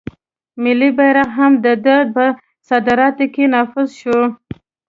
ملي بیرغ هم د ده په صدارت کې نافذ شو.